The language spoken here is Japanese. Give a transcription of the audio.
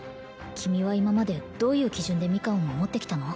君は今までどういう基準でミカンを守ってきたの？